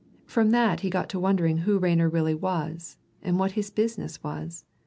From that he got to wondering who Rayner really was, and what his business was.